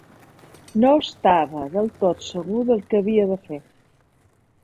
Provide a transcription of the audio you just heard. No estava del tot segur del que havia de fer.